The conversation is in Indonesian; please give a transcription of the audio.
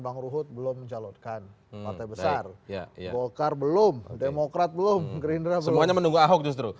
bang ruhut belum mencalonkan partai besar golkar belum demokrat belum gerindra semuanya menunggu ahok justru